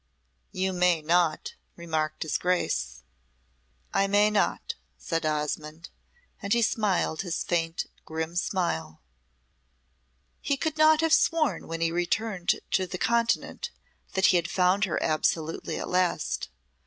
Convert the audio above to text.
"You may not," remarked his Grace. "I may not," said Osmonde, and he smiled his faint, grim smile. He could not have sworn when he returned to the Continent that he had found her absolutely at last.